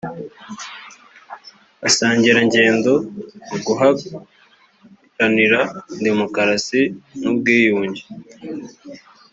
basangirangendo mu guharanira demokarasi n’ubwiyunge